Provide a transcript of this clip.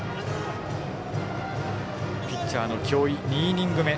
ピッチャーの京井、２イニング目。